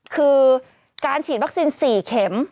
คือการฉีดวัคซีน๔เข็ม